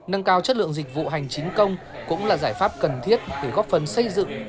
nâng cao chất lượng dịch vụ hành chính công cũng là giải pháp cần thiết để góp phần xây dựng